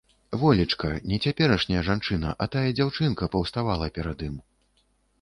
Волечка, не цяперашняя жанчына, а тая дзяўчынка паўставала перад ім.